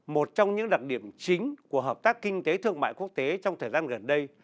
một trong những đặc điểm chính của hợp tác kinh tế thương mại quốc tế trong thời gian gần đây